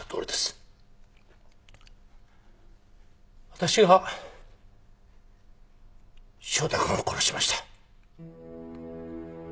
私が汐田君を殺しました。